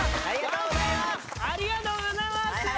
ありがとうございますよ。